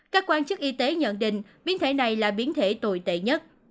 các quan chức y tế nhận định biến thể này là biến thể tồi tệ nhất